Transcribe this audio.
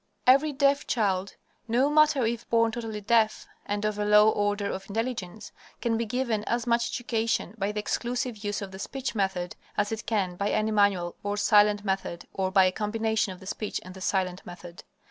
_Every deaf child, no matter if born totally deaf and of a low order of intelligence, can be given as much education by the exclusive use of the speech method as it can by any manual, or silent, method or by a combination of the speech and the silent method.